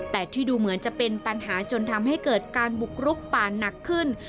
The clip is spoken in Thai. แต่ที่ดูเหมือนจะเป็นปัญหาจนทำให้เกิดการบุกรุกป่าหนักขึ้น